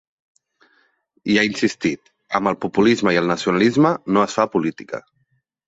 I ha insistit: ‘amb el populisme i el nacionalisme no es fa política’.